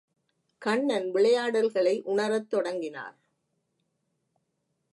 கண்ணன் விளையாடல்களை உணரத் தொடங்கினார்.